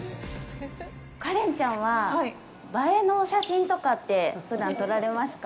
花恋ちゃんは映えの写真とかってふだん撮られますか。